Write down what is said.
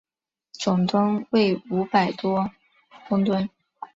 总吨位五百多公顿。